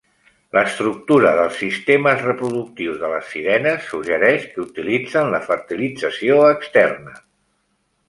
L'estructura dels sistemes reproductius de les sirenes suggereix que utilitzen la fertilització externa.